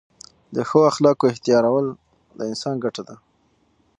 د ښو اخلاقو احتیارول د انسان ګټه ده.